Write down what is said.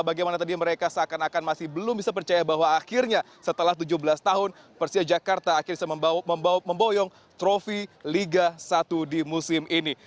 bagaimana tadi mereka seakan akan masih belum bisa percaya bahwa akhirnya setelah tujuh belas tahun persija jakarta akhirnya memboyong trofi liga satu di musim ini